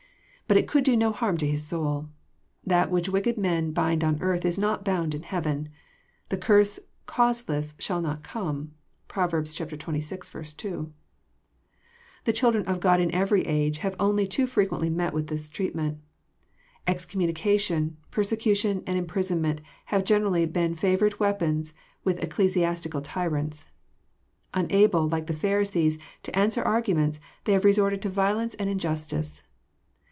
But it could do no harm to his soul. That which wicked men bind on earth is not bound in heaven. ^^ The curse causeless shall not come." (Prov. xxvi. 2.) The children of God in every age have only too fre quently met with like treatment. Excommunication, per secution, and imprisonment have generally been favourite weapons with ecclesiastical tyrants. Unable, like the Pharisees, to answer arguments, they have resorted to vio« lence and injustice.